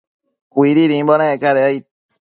Cuididimbo nec cadec aid